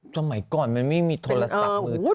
สมัยก่อนมันไม่มีโทรศัพท์มือถือ